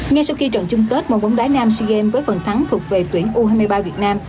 ngay sau khi trận chung kết một bóng đá nam sea games với phần thắng thuộc về tuyển u hai mươi ba việt nam